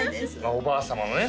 おばあ様のね